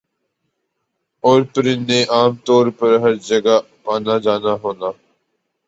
اورپرندے عام طور پر ہَر جگہ پانا جانا ہونا